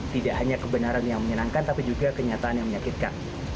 tidak hanya kebenaran yang menyenangkan tapi juga kenyataan yang menyakitkan